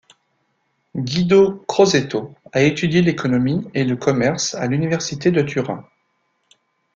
Guido Crosetto a étudié l'économie et le commerce à l'université de Turin.